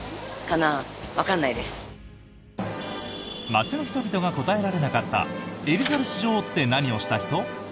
街の人々が答えられなかったエリザベス女王って何をした人？